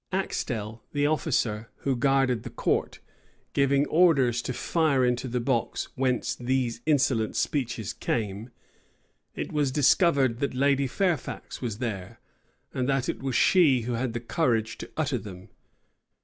Axtel, the officer who guarded the court, giving orders to fire into the box whence these insolent speeches came, it was discovered that Lady Fairfax was there, and that it was she who had had the courage to utter them.